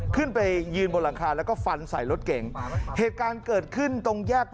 ขึ้นไปยืนบนรังคาแล้วก็ฝันใส่รถเก๋ง